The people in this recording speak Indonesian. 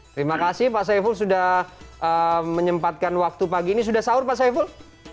terima kasih pak saiful sudah menyempatkan waktu pagi ini sudah sahur pak saiful